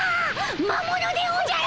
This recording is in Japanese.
魔物でおじゃる！